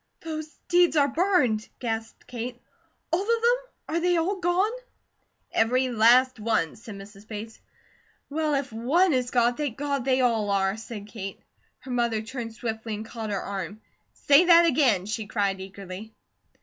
"Those deeds are burned?" gasped Kate. "All of them? Are they all gone?" "Every last one," said Mrs. Bates. "Well, if ONE is gone, thank God they all are," said Kate. Her mother turned swiftly and caught her arm. "Say that again!" she cried eagerly.